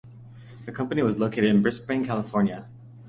The company was located in Brisbane, California.